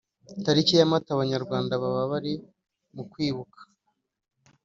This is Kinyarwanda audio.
Tariki ya Mata Abanyarwanda baba bari mukwibuka